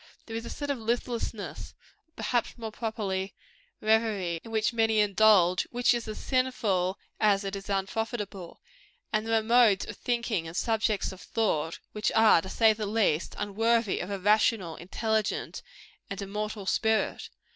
There is a sort of listlessness or, perhaps, more properly, reverie in which many indulge, which is as sinful as it is unprofitable; and there are modes of thinking and subjects of thought, which are, to say the least, unworthy of a rational, intelligent and immortal spirit.